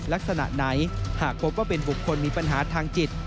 ลักษณะไหนหากพบว่าเป็นบุคคลมีปัญหาทางจิต